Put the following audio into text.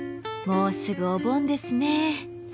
もうすぐお盆ですね。